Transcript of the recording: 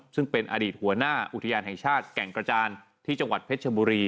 ซึ่งเป็นอดีตหัวหน้าอุทยานแห่งชาติแก่งกระจานที่จังหวัดเพชรชบุรี